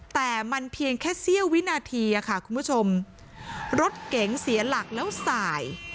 แต่มันเพียงแค่เสี้ยววินาทีค่ะคุณผู้ชมรถเก๋งเสียหลักแล้วสาย